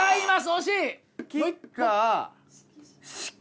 惜しい！